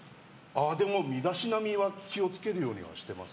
でも、身だしなみは気を付けるようにはしています。